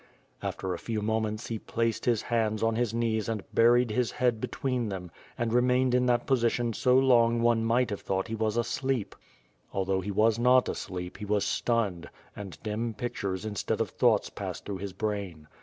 After a few moments he placed his hands on his knees and buried his head between them, and remained in that position so long one might have thought he was asleep. Although he was not asleep he was stunned, and dim pictures instead of thoughts passed through his brain.